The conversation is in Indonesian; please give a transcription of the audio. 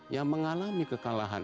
yang mengalami kekalahan